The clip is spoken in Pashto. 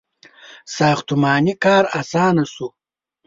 • ساختماني کار آسانه شو.